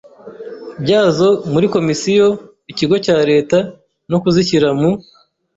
byazo muri komisiyo/ikigo cya Leta no kuzishyira mu